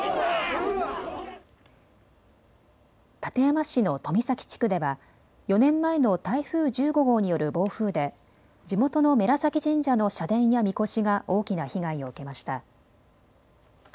館山市の富崎地区では４年前の台風１５号による暴風で地元の布良崎神社の社殿やみこしが大きな被害を受けました。